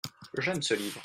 J’aime ce livre.